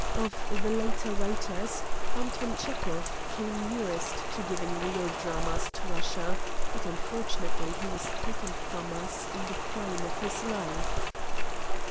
Of the later writers, Anton Chekhov came nearest to giving real dramas to Russia, but, unfortu nately, he was taken from us in the prime of hia life."